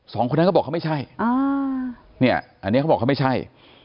สองคนนั้นก็บอกเขาไม่ใช่อ่าเนี่ยอันนี้เขาบอกเขาไม่ใช่